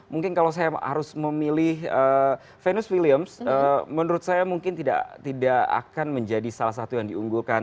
mungkin kalau saya harus memilih venus williams menurut saya mungkin tidak akan menjadi salah satu yang diunggulkan